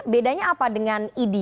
bedanya apa dengan idi